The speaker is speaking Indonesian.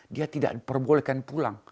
dia tidak diperbolehkan pulang